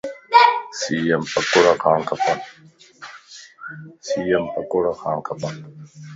سيءَ مَ پڪوڙا کاڻ کپن